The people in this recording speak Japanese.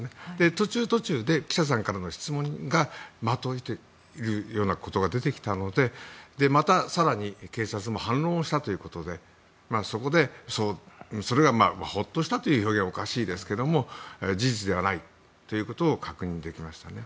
途中、途中で記者さんからの質問で的を射ているようなことが出てきたのでまた、更に警察も反論をしたということでそこで、それでほっとしたという表現はおかしいですけども事実ではないということを確認できましたね。